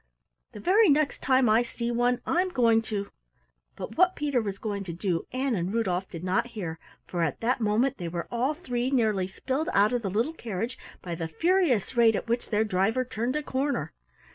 The very next time I see one, I'm going to " But what Peter was going to do Ann and Rudolf did not hear, for at that moment they were all three nearly spilled out of the little carriage by the furious rate at which their driver turned a corner.